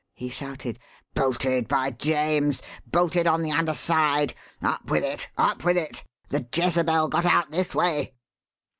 he shouted. "Bolted, by James! bolted on the under side! Up with it, up with it the Jezebel got out this way."